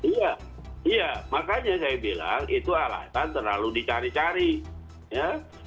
iya iya makanya saya bilang itu alasan terlalu dicari cari ya